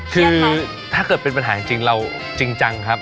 คือถ้าเกิดเป็นปัญหาจริงเราจริงจังครับ